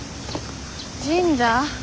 神社？